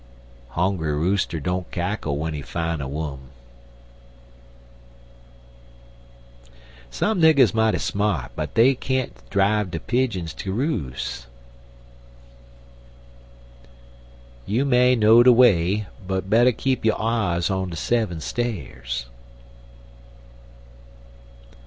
Hongry rooster don't cackle w'en he fine a wum. Some niggers mighty smart, but dey can't drive de pidgins ter roos'. You may know de way, but better keep yo' eyes on de seven stairs.